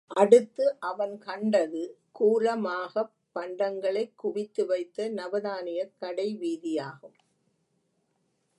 அடுத்து அவன் கண்டது கூலமாகப் பண்டங்களைக் குவித்துவைத்த நவதானியக் கடை வீதியாகும்.